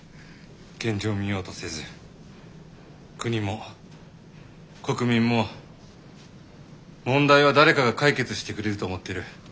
現状を見ようとせず国も国民も問題は誰かが解決してくれると思ってる。